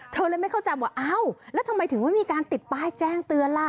เธอเลยไม่เข้าใจว่าอ้าวแล้วทำไมถึงไม่มีการติดป้ายแจ้งเตือนล่ะ